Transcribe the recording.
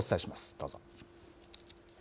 どうぞ。